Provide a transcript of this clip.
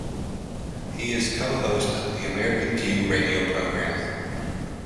He is co-host of "The American View" radio program.